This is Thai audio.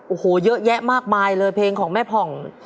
โอ้โหเยอะแยะมากมายเลยเพลงของแม่ผ่อง